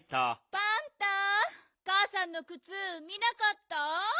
パンタかあさんのくつ見なかった？